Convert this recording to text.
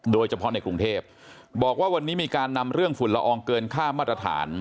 โดยเฉพาะในกรุงเทพบอกว่าวันนี้มีการนำเรื่องฝุ่นละอองเกินค่ามาตรฐาน